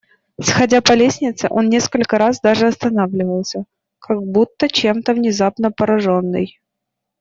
Сходя по лестнице, он несколько раз даже останавливался, как будто чем-то внезапно пораженный.